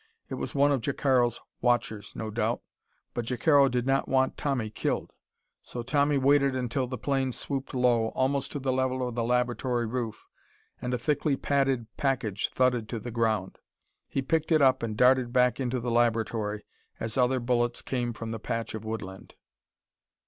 It was one of Jacaro's watchers, no doubt, but Jacaro did not want Tommy killed. So Tommy waited until the plane swooped low almost to the level of the laboratory roof and a thickly padded package thudded to the ground. He picked it up and darted back into the laboratory as other bullets came from the patch of woodland.